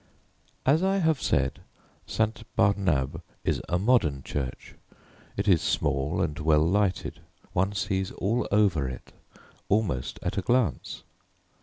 As I have said, St. Barnabé is a modern church. It is small and well lighted; one sees all over it almost at a glance.